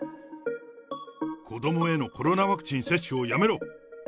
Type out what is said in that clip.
子どもへのコロナワクチン接種をやめろ。